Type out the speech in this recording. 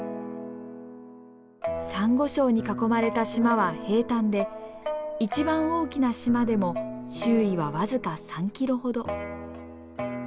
サンゴ礁に囲まれた島は平たんで一番大きな島でも周囲は僅か３キロほど。